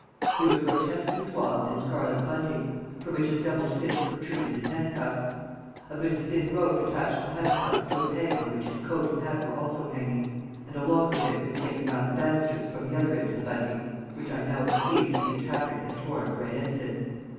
He was grotesquely swathed in scarlet bunting, from which his doubled fists protruded in handcuffs; a bit of thin rope attached the handcuffs to a peg on which his coat and hat were also hanging, and a longer bit was taken round the banisters from the other end of the bunting, which I now perceived to be a tattered and torn Red Ensign.